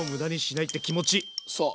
そう。